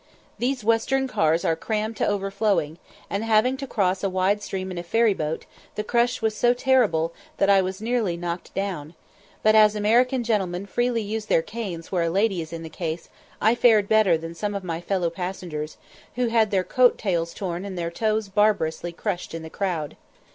These Western cars are crammed to overflowing, and, having to cross a wide stream in a ferryboat, the crush was so terrible, that I was nearly knocked down; but as American gentlemen freely use their canes where a lady is in the case, I fared better than some of my fellow passengers, who had their coat tails torn and their toes barbarously crushed in the crowd.